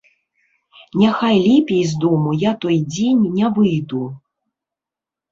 Няхай лепей з дому я той дзень не выйду.